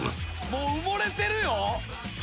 もう埋もれてるよ。